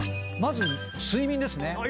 まず睡眠ですね。